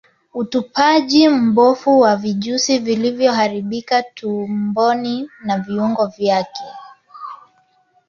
Utupaji mbovu wa vijusi vilivyoharibikia tumboni na viungo vyake